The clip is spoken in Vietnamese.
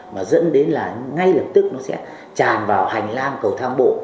mà dẫn đến là ngay lập tức nó sẽ tràn vào hành lang cầu thang bộ